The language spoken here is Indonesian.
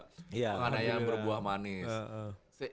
penganeaan berbuah manis